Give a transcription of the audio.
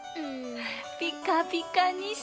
ピカピカにしたの！